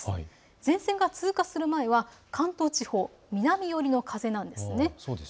前線が通過する前は関東地方、南寄りの風なんです。